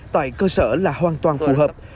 tại cơ sở là hoàn toàn phù hợp